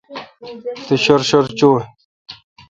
تو شر شر چوں۔